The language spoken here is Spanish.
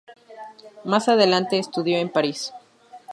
Más adelante estudió en París.